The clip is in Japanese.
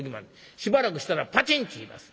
しばらくしたらパチン！といいます。